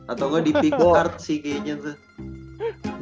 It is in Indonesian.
atau kok di picard sih kayaknya tuh